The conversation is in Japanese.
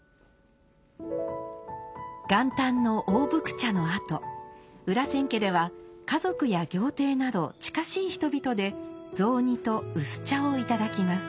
元旦の大福茶のあと裏千家では家族や業躰など近しい人々で雑煮と薄茶をいただきます。